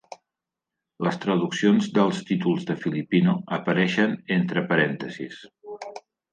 Les traduccions dels títols de Filipino apareixen entre parèntesis.